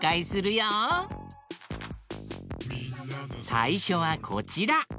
さいしょはこちら。